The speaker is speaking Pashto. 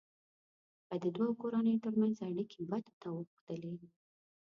که د دوو کورنيو ترمنځ اړیکې بدو ته اوښتلې.